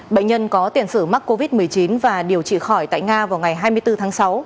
bệnh nhân có tiền sử mắc covid một mươi chín và điều trị khỏi tại nga vào ngày hai mươi bốn tháng sáu